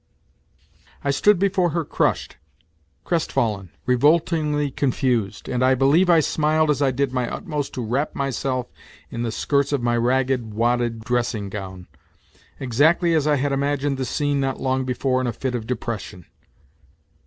I stood before her crushed, crestfallen, revoltingly confused, and I believe I smiled as I did my utmost to wrap myself in the skirts of my ragged wadded dressing gown exactly as I had imagined the scene not long before in a fit of depression.